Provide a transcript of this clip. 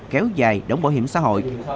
kéo dài đống bảo hiểm xã hội